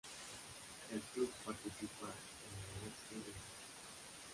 El club participa en la Eerste Divisie.